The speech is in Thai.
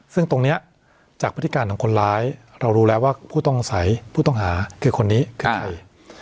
ซึ่งตรงนี้จากพฤติการของคนร้ายเรารู้แล้วว่าผู้ต้องสัยผู้ต้องหาคือคนนี้คือใคร